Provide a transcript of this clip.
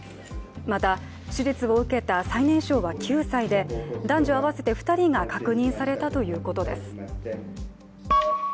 また手術を受けた最年少は９歳で、男女合わせて２人が確認されたということです。